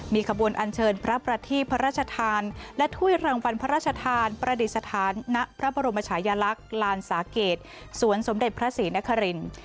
มชายลักษณ์ลานสาเกตสวนสมเด็จพระศรีนครินทร์